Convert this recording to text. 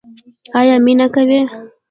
ایا مینه کوئ؟